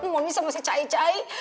mami sama si cai cai